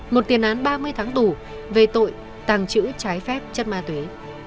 một tiền án ba mươi tháng tù về tội tàng trữ trái phép chất ma túy